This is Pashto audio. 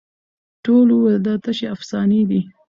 ټولو وویل دا تشي افسانې دي